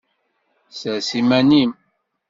Sers iman-im!